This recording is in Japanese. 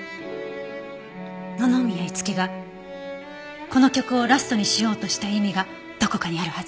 野々宮樹がこの曲をラストにしようとした意味がどこかにあるはず。